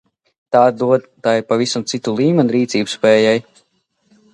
Tā dod tai pavisam citu līmeni rīcībspējai!